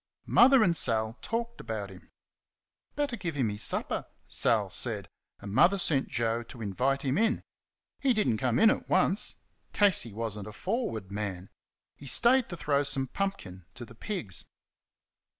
Mother and Sal talked about him. "Better give him his supper," Sal said, and Mother sent Joe to invite him in. He did n't come in at once. Casey was n't a forward man. He stayed to throw some pumpkin to the pigs.